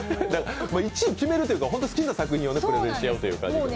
１位決めるというか好きな作品をプレゼンしあうというかね。